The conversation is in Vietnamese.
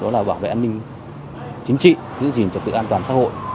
đó là bảo vệ an ninh chính trị giữ gìn trật tự an toàn xã hội